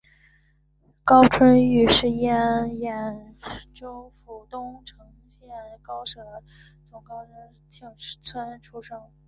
高春育是乂安省演州府东城县高舍总高舍社盛庆村出生。